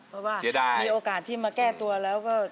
ฟังว่ามีโอกาสที่มาแก้ตัวแล้ว